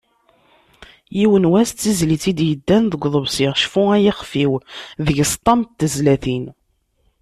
"Yiwen wass", d tizlit i d-yeddan deg uḍebsi "Cfu ay ixef-iw", deg-s ṭam n tezlatin.